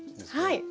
はい。